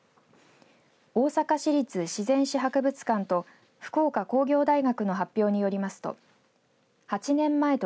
大阪市立自然史博物館と福岡工業大学の発表によりますと８年前と